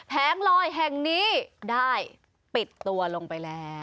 แงลอยแห่งนี้ได้ปิดตัวลงไปแล้ว